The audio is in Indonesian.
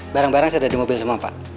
barang barang sudah di mobil sama pak